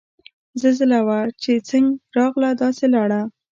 زلزله وه چه څنګ راغله داسے لاړه